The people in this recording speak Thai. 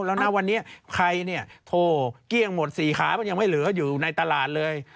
แล้วนะวันนี้ใครเนี่ยโทรเกลี้ยงหมด๔ขามันยังไม่เหลืออยู่ในตลาดเลย